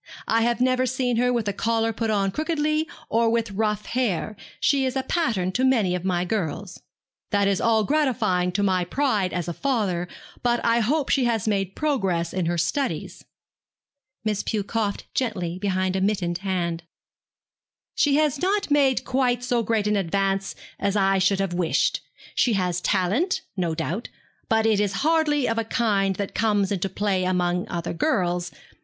I have never seen her with a collar put on crookedly, or with rough hair. She is a pattern to many of my girls.' 'That is all gratifying to my pride as a father; but I hope she has made progress in her studies.' Miss Pew coughed gently behind a mittened hand. 'She has not made quite so great an advance as I should have wished. She has talent, no doubt; but it is hardly of a kind that comes into play among other girls.